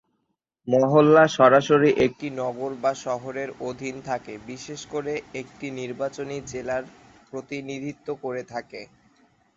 মহল্লা সরাসরি একটি নগর বা শহরের অধীন থাকে, বিশেষ করে একটি নির্বাচনী জেলার প্রতিনিধিত্ব করে থাকে।